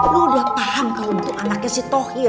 lo udah paham kalau bentuk anaknya si tohir